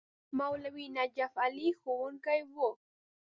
مولوي نجف علي ښوونکی وو.